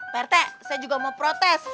pak rete saya juga mau protes